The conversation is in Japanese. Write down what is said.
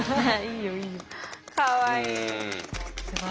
かわいい。